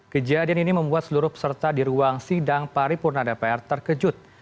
kejadian ini membuat seluruh peserta di ruang sidang paripurna dpr terkejut